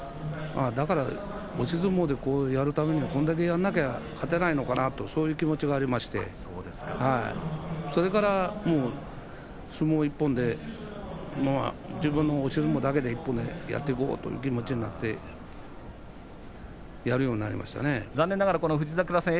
押し相撲でやるためにはこれだけやらなきゃ勝てないのかなとそういう気持ちがありましてそれから相撲一本で自分の押し相撲一本だけでやっていこうという気持ちになって残念ながら富士櫻さん